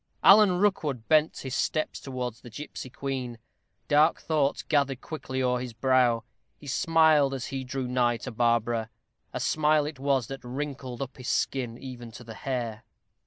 Alan Rookwood bent his steps towards the gipsy queen. Dark thoughts gathered quickly o'er his brow. He smiled as he drew nigh to Barbara a smile it was That wrinkled up his skin even to the hair.